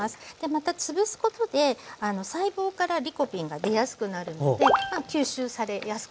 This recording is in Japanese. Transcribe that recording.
またつぶすことで細胞からリコピンが出やすくなるので吸収されやすくなるってことなんですね。